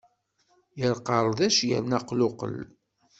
Yar qardac yerna aqluqel.